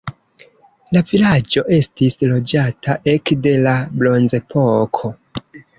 La vilaĝo estis loĝata ekde la bronzepoko.